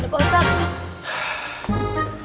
nggak ada ustadz